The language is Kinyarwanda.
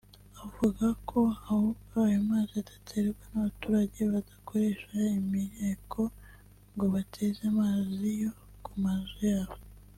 akavuga ko ahubwo ayo mazi aterwa n’abaturage badakoresha imireko ngo batege amazi yo ku mazu yabo